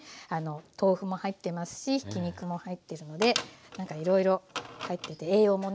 豆腐も入ってますしひき肉も入ってるのでなんかいろいろ入ってて栄養もね